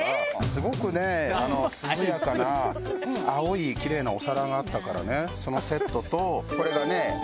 すごくね涼やかな青いキレイなお皿があったからねそのセットとこれがね